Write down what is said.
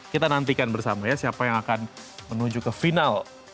kita nantikan bersama ya siapa yang akan menuju ke final